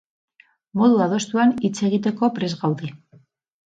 Modu adostuan hitz egiteko prest gaude.